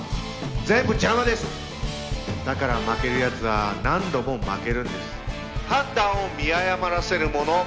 全部邪魔ですだから負けるやつは何度も負けるんです判断を見誤らせるもの